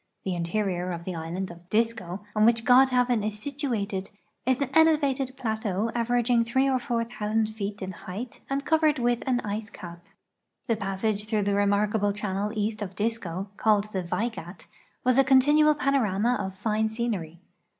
The interior of the island of Disko, on which Godhavn is situated, is an elevated plateau averaging three or four thousand feet in height and covered with an ice ca]). The passage through the remarkable channel east of Disko, called the Vaigat, was a continual |)anorama of fine scenery.